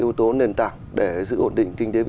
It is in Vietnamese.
yếu tố nền tảng để giữ ổn định kinh tế vĩ